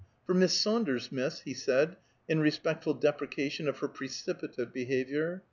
"For Miss Saunders, miss," he said, in respectful deprecation of her precipitate behavior.